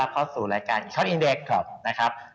ขอต้อนรับเข้าสู่โชคอิงเด็กถ์ครับ